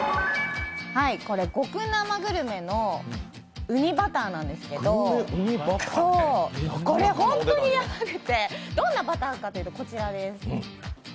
極生グルメのうにバターなんですけどこれ、ホントにやばくてどんなバターかというとこちらです。